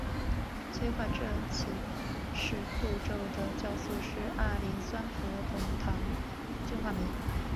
催化这起始步骤的酵素是二磷酸核酮糖羧化酶。